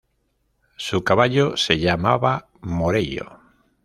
Su caballo se llamaba Morello.